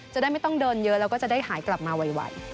จะได้ไม่ต้องเดินเยอะแล้วก็จะได้หายกลับมาไว